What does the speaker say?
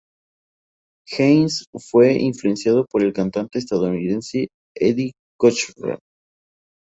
Heinz fue influenciado por el cantante estadounidense Eddie Cochran.